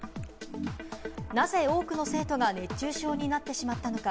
なぜ多くの生徒が熱中症になってしまったのか？